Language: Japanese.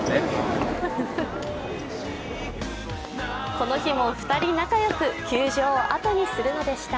この日も２人仲良く球場をあとにするのでした。